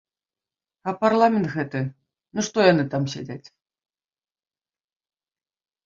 А парламент гэты, ну што яны там сядзяць?